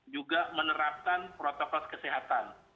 juga menerapkan protokol kesehatan